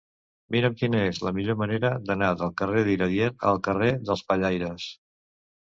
Mira'm quina és la millor manera d'anar del carrer d'Iradier al carrer dels Pellaires.